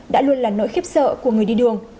đã luôn là nỗi khiếp sợ của người đi đường